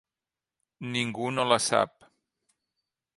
Ningú no la sap.